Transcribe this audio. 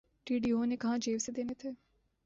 D P O نے کہاں جیب سے دینے تھے۔